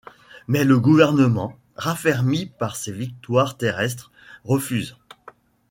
Mais le gouvernement, raffermi par ses victoires terrestres, refuse.